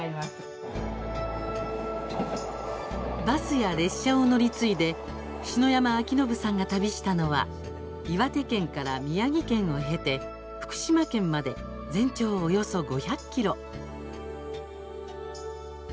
バスや列車を乗り継いで篠山輝信さんが旅したのは岩手県から宮城県を経て福島県まで全長およそ５００ｋｍ。